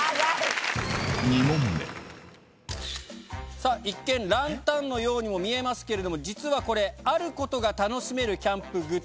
さぁ一見ランタンのようにも見えますけれども実はこれあることが楽しめるキャンプグッズです。